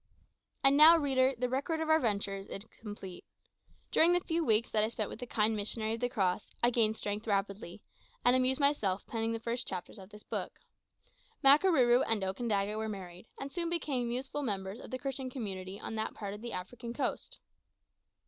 And now, reader, the record of our adventures is complete. During the few weeks that I spent with the kind missionary of the Cross, I gained strength rapidly, and amused myself penning the first chapters of this book. Makarooroo and Okandaga were married, and soon became useful members of the Christian community on that part of the African coast.